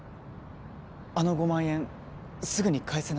あの５万円すぐに返せ